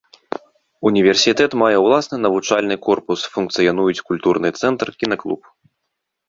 Універсітэт мае ўласны навучальны корпус, функцыянуюць культурны цэнтр, кінаклуб.